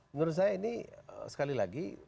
menurut saya ini sekali lagi